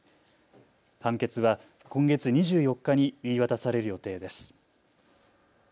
判決は今月２４日に言い渡される予定です。